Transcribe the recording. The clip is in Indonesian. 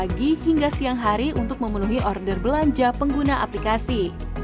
pagi hingga siang hari untuk memenuhi order belanja pengguna aplikasi